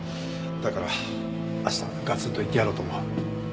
だから明日ガツンと言ってやろうと思う。